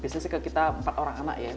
bisnisnya ke kita empat orang anak ya